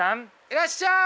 いらっしゃい！